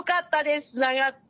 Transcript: つながって。